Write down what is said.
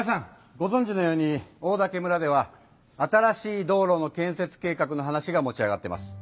ごぞんじのようにオオダケ村では新しい道路の建設計画の話が持ち上がってます。